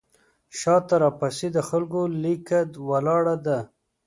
شاته راپسې د خلکو لیکه ولاړه ده.